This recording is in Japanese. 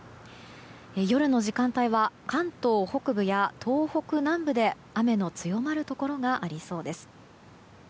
夜の時間帯は関東北部や東北南部で雨の強まるところがありそうです。